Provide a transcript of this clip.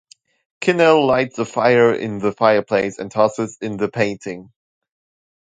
Kinnell lights a fire in the fireplace, and tosses in the painting.